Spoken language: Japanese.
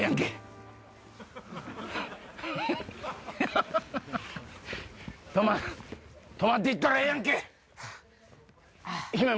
ハハハハハ泊まって行ったらええやんけ。